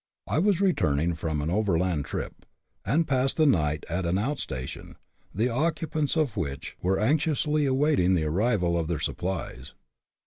I was returning from an overland trip, and passed the night at an out station, the occu pants of which were anxiously awaiting the arrival of their sup plies.